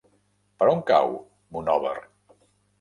Per on cau Monòver?